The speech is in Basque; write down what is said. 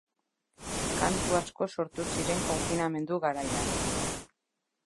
Kantu asko sortu ziren konfinamendu garaian.